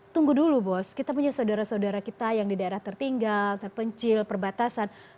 tunggu dulu bos kita punya saudara saudara kita yang di daerah tertinggal terpencil perbatasan